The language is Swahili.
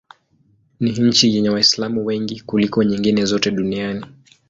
Ni nchi yenye Waislamu wengi kuliko nyingine zote duniani.